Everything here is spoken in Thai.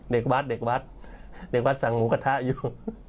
เด็กวัดเด็กวัดเด็กวัดสั่งหมูกระทะอยู่